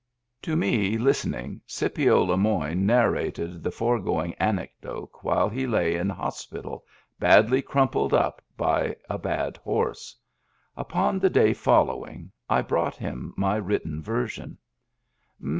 To me, listening, Scipio Le Moyne narrated the foregoing anecdote while he lay in hospital, badly crumpled up by a bad horse. Upon the day following I brought him my written version.